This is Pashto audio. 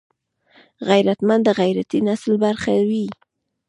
غیرتمند د غیرتي نسل برخه وي